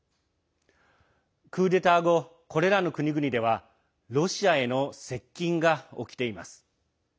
クーデター後、これらの国々ではロシアへの接近が起きています。